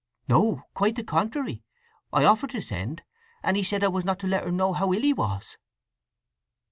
"No. Quite the contrary. I offered to send, and he said I was not to let her know how ill he was."